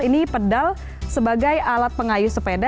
ini pedal sebagai alat pengayuh sepeda